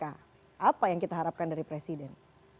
apa yang kita harapkan dari presiden